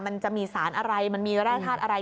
มันจะมีสารอะไรมันมีแร่ธาตุอะไร